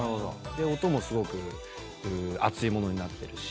音もすごく厚いものになってるし。